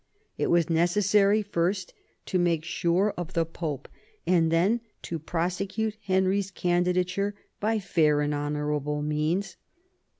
It was necessary first to make sure of the Pope, and then to prosecute Henry's candidature by fair and honourable means.